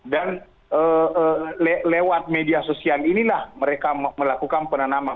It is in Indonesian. dan lewat media sosial inilah mereka melakukan penanaman